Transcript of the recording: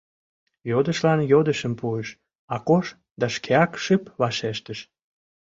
— йодышлан йодышым пуыш Акош да шкеак шып вашештыш: